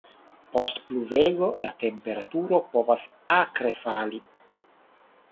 Post pluvego, la temperaturo povas akre fali.